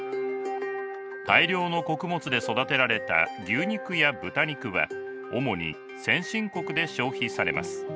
大量の穀物で育てられた牛肉や豚肉は主に先進国で消費されます。